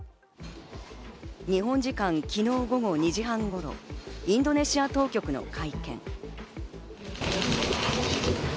日本時間、昨日午後２時半頃、インドネシア当局の会見。